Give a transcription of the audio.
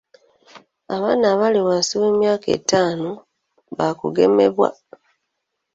Abaana abali wansi w'emyaka etaano baakugemebwa.